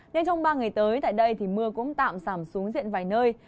nên trong ba ngày tới tại đây thì mưa cũng tạm giảm xuống diện vài nơi